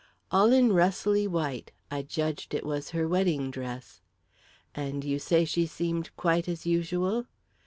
"All in rustly white. I judged it was her wedding dress." "And you say she seemed quite as usual?"